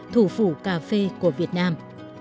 thủ phủ cà phê của việt nam